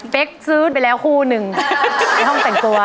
ซื้อไปแล้วคู่หนึ่งในห้องแต่งตัว